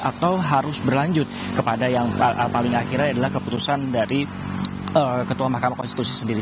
atau harus berlanjut kepada yang paling akhirnya adalah keputusan dari ketua mahkamah konstitusi sendiri